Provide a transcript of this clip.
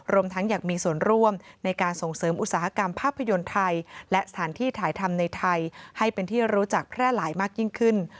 ทั้งอยากมีส่วนร่วมในการส่งเสริมอุตสาหกรรมภาพยนตร์ไทยและสถานที่ถ่ายทำในไทยให้เป็นที่รู้จักแพร่หลายมากยิ่งขึ้น